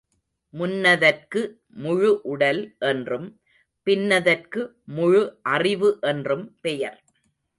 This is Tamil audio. முன்னதற்கு முழு உடல் என்றும், பின்னதற்கு முழு அறிவு என்றும் பெயர்.